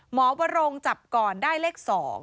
วรงจับก่อนได้เลข๒